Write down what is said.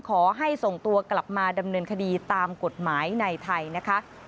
ขอให้ส่งตัวกลับมาดำเนินคดีตามกฎหมายในไทยนะคะ